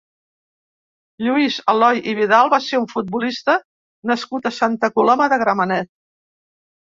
Lluís Aloy i Vidal va ser un futbolista nascut a Santa Coloma de Gramenet.